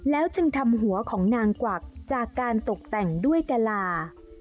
แล้วจึงทำหัวของนางกวักจากการตกแต่งด้วยกะลา